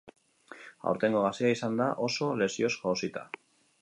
Aurtengoa gazia izan da oso, lesioz josita.